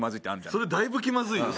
それだいぶ気まずいよ。